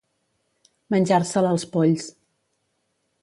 Menjar-se'l els polls.